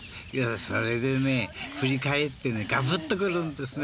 それで振り返ってバクっと来るんですね。